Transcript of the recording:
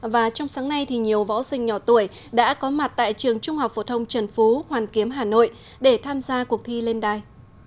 và trong sáng nay thì nhiều võ sinh nhỏ tuổi đã có mặt tại trường trung học phổ thông trần phú hoàn kiếm hà nội để tham gia cuộc thi lên đài